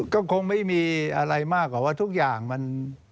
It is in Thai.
ก็คงไม่มีอะไรมากกว่าว่าทุกอย่างมัน